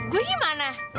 gua pergi mana